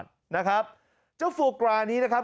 เฉพาะเจ้าฟัวกรานี้นะครับ